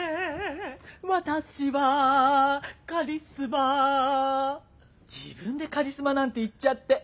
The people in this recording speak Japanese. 私はカリスマ自分でカリスマなんて言っちゃって。